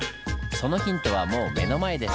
そのヒントはもう目の前です。